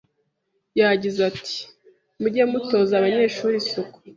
Yagize ati:Mujye mutoza abanyeshuri isuku